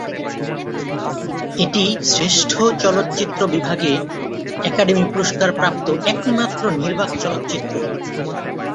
এটি শ্রেষ্ঠ চলচ্চিত্র বিভাগে একাডেমি পুরস্কার প্রাপ্ত একমাত্র নির্বাক চলচ্চিত্র।